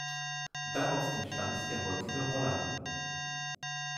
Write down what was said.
Daraus entstand der heutige Rollladen.